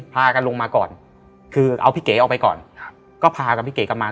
พากันลงมาก่อนคือเอาพี่เก๋ออกไปก่อนครับก็พากับพี่เก๋กลับมา